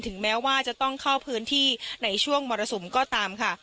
แม้ว่าจะต้องเข้าพื้นที่ในช่วงมรสุมก็ตามค่ะ